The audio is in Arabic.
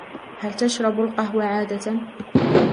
هل تشرب القهوة عادةً ؟